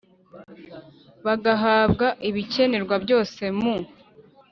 Bagahabwa ibikenerwa byose mu